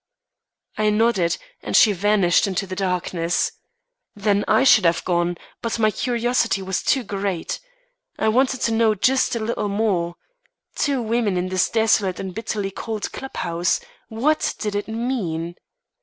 I nodded, and she vanished into the darkness. Then I should have gone; but my curiosity was too great. I wanted to know just a little more. Two women in this desolate and bitterly cold club house! What did it mean?